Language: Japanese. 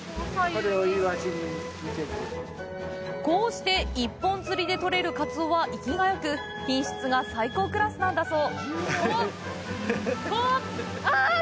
こうして一本釣りで取れるカツオは生きがよく品質が最高クラスなんだそう！